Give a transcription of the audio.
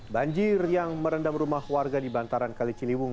banjir yang merendam rumah warga di bantaran kali ciliwung